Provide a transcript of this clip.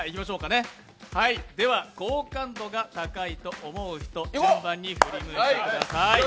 では好感度が高いと思う人、順番に振り向いてください。